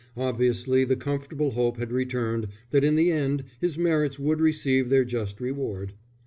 Obviously the comfortable hope had returned that in the end his merits would receive their just reward.